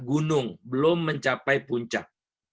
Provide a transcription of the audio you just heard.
burung belum ch meist